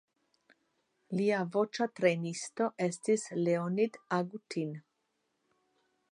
Lia voĉa trejnisto estis Leonid Agutin.